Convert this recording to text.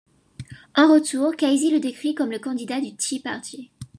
En retour, Casey le décrit comme le candidat du Tea Party.